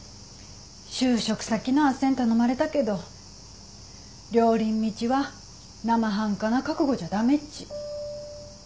就職先の斡旋頼まれたけど料理ん道は生半可な覚悟じゃ駄目っち。